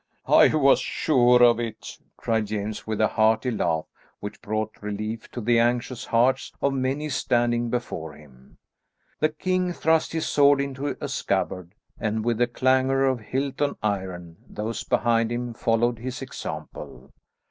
"I was sure of it," cried James with a hearty laugh which brought relief to the anxious hearts of many standing before him. The king thrust his sword into a scabbard, and, with a clangour of hilt on iron, those behind him followed his example.